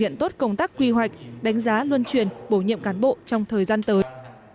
hiện tốt công tác quy hoạch đánh giá luân chuyển bổ nhiệm cán bộ trong thời gian tới